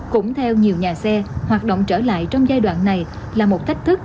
cũng theo nhiều nhà xe hoạt động trở lại trong giai đoạn này là một thách thức